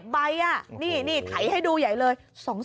๑๑ใบอ่ะนี่ไถให้ดูใหญ่เลย